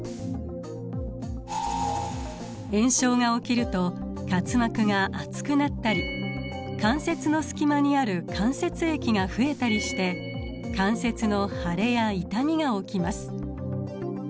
炎症が起きると滑膜が厚くなったり関節の隙間にある関節液が増えたりして関節の腫れや痛みが起きます。